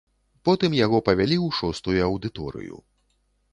Потым яго павялі ў шостую аўдыторыю.